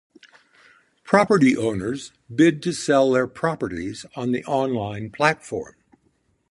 Property owners bid to sell their properties on the online platform.